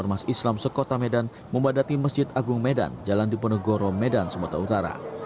ormas islam sekota medan membadati masjid agung medan jalan diponegoro medan sumatera utara